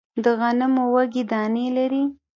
د غنمو وږی دانې لري